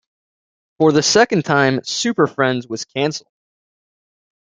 For the second time, "Super Friends" was cancelled.